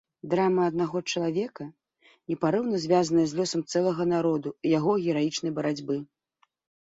Драма аднаго чалавека, непарыўна звязаная з лёсам цэлага народу і яго гераічнай барацьбы.